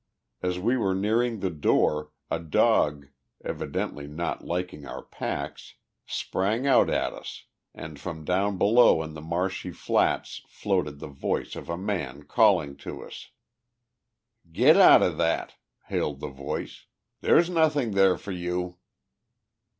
As we were nearing the door, a dog, evidently not liking our packs, sprang out at us, and from down below in the marshy flats floated the voice of a man calling to us. "Get out o' that!" hailed the voice. "There's nothing there for you."